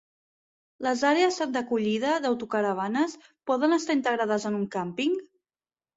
Les àrees d'acollida d'autocaravanes poden estar integrades en un càmping?